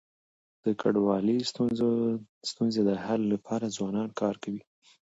د کډوالی ستونزي د حل لپاره ځوانان کار کوي.